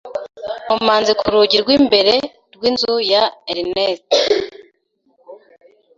Nkomanze ku rugi rw'imbere rw'inzu ya Ernest